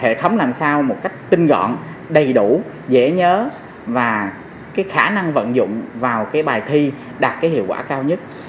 hệ thống làm sao một cách tinh gọn đầy đủ dễ nhớ và khả năng vận dụng vào bài thi đạt hiệu quả cao nhất